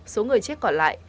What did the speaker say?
số người chết còn lại